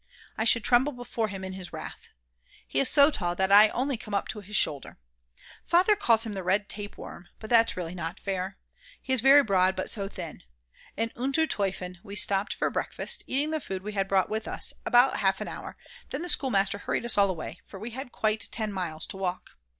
I should tremble before him in his wrath. He is so tall that I only come up to his shoulder. Father calls him the red tapeworm; but that's really not fair. He is very broad but so thin. In Unter Toifen we stopped for breakfast, eating the food we had brought with us; about half an hour; then the schoolmaster hurried us all away, for we had quite 10 miles to walk.